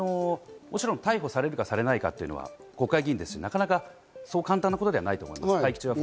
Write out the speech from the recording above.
もちろん逮捕されるかされないかは国会議員ですし、そう簡単なことではないと思います。